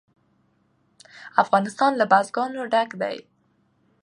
افغانستان له بزګان ډک دی.